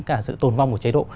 cả sự tồn vong của chế độ